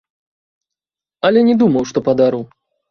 Але не думаў, што падару.